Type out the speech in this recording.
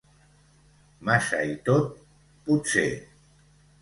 Massa i tot, potser.